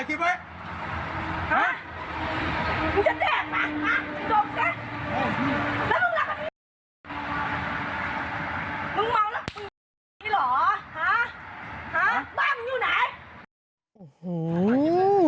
ฮะบ้านมึงอยู่ไหน